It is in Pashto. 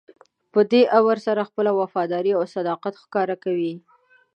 په دې امر سره خپله وفاداري او صداقت ښکاره کوئ.